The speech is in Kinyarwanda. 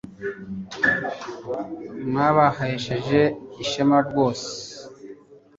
mwabahesheje ishema rwose